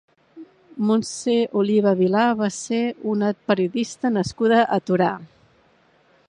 Montse Oliva Vilà va ser una periodista nascuda a Torà.